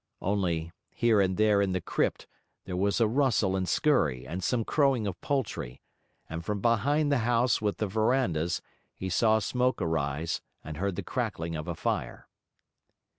Only, here and there in the crypt, there was a rustle and scurry and some crowing of poultry; and from behind the house with the verandahs, he saw smoke arise and heard the crackling of a fire.